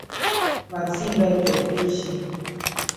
واکسین باید تطبیق شي